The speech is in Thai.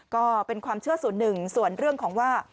ก็เป็นความเชื่อส่วนหนึ่งส่วนเรื่องของว่า